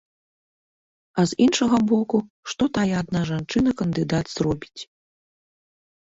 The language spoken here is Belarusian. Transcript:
А з іншага боку, што тая адна жанчына-кандыдат зробіць?